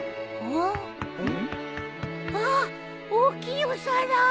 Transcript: わあ大きいお皿！